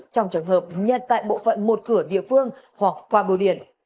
trong trường hợp nhận tại bộ phận một cửa địa phương hoặc qua bưu điện